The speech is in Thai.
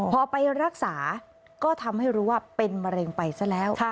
พอไปรักษาก็ทำให้รู้ว่าเป็นมะเร็งไปซะแล้ว